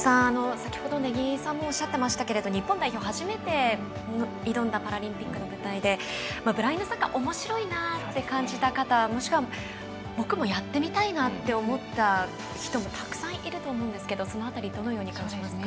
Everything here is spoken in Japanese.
先ほど根木さんもおっしゃっていましたけれど日本代表、初めて挑んだパラリンピックの舞台でブラインドサッカーおもしろいなって感じた方もしくは、僕もやってみたいなと思った人もたくさんいると思いますがどう感じましたか。